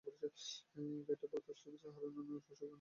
গেঁটে বাত, অস্টিওপরোসিসসহ হাড়ের অন্যান্য অসুখে আনারস খুবই উপকারী।